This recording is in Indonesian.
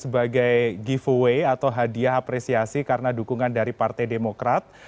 sebagai giveaway atau hadiah apresiasi karena dukungan dari partai demokrat